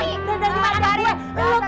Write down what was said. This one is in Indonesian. dari mana dari mana